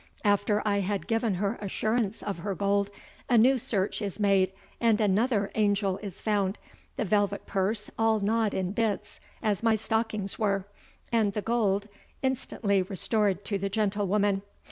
After I had given her assureance of her gold, a new search is made, the other angell is found, the velvet purse all gnawd in bits, as my stockins were, and the gold instantlie restord to the gentlewoman.